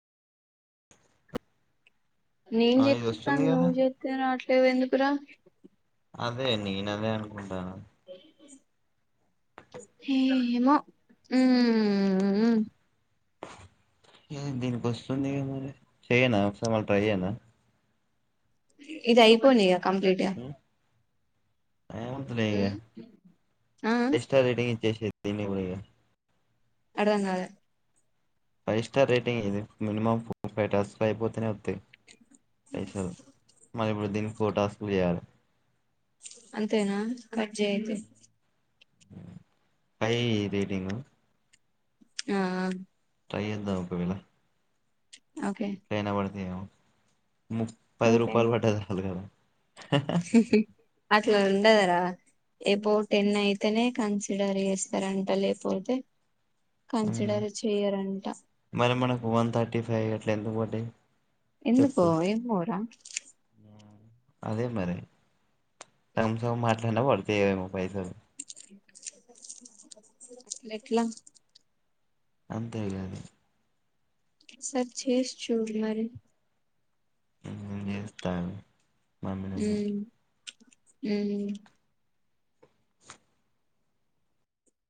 నేను ఆ ఇది వస్తుంది చెప్పిస్తాన కదా నువ్వు చెత్తే రావట్లేదు ఎందుకురా అదే నీనదే అనుకుంటన ఏమో ఉమ్మ్ దీనికి వస్తుంది గా మరి చెయనా ఒకసారి మళ్ళ ట్రై చెయనా ఇది అయిపోనిగ కంప్లీట్గా ఏమద్దులే ఇగ ఆ జేస్ స్టార్ రేటింగ్ ఇచ్చేసే దీనికి గూడ ఇగ అర్థం కాల ఫైవ్ స్టార్ రేటింగ్ ఇది మినిమమ్ ఫోర్ ఫైవ్ టాస్క్ లు అయిపోతేనే తె పైసల్ మళ్ళ ఇప్పుడు ఫోర్ టాస్క్లు చేయాలే అంతేనా కట్ జేయి అయితే ఫై ఇయ్యి రేటింగ్ ఆ ఆ ట్రై చేద్దాం ఒక వేళ ఓకే ట్లైనా పడుతయేమో ము పది ఓకే రూపాయలు పట్టాల క [unintelligible] అట్లా ఉండదురా ఎబో టెన్ అయితేనే కన్సిడర్ చేస్తారంట లేపోతే ఉం. కన్సిడర్ చెయరంట మరి మనకు వన్ థర్టీ ఫైవ్ అట్లా ఎందుకు పడ్డాయి ఎందుకో చెప్పు ఎమోరా అదే మరి సగం సగం మాట్లాడినా పడుతయమో పైసలు అట్లే ట్లా అంతేలే అది సరి చేసి చూడు మరి నేన్ చేస్తా ఆగు వన్ మినిట్ ఉం